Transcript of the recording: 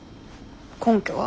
根拠は？